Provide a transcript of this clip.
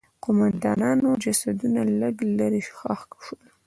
د قوماندانانو جسدونه لږ لرې ښخ شول.